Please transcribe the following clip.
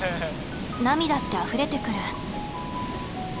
涙ってあふれてくる。